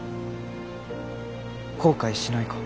後悔しないか。